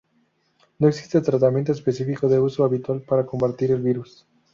No existe tratamiento específico de uso habitual para combatir el virus.